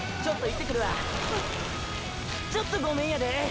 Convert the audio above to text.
ちょっとごめんやで。